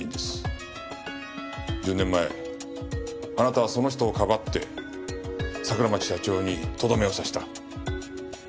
１０年前あなたはその人をかばって桜町社長にとどめを刺した。